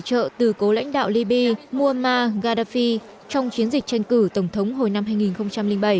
ông sarkozy đã nhận tài trợ từ cố lãnh đạo libby muammar gaddafi trong chiến dịch tranh cử tổng thống hồi năm hai nghìn bảy